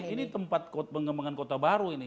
ini tempat pengembangan kota baru ini